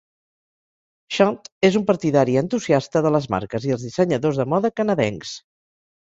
Chante és un partidari entusiasta de les marques i els dissenyadors de moda canadencs.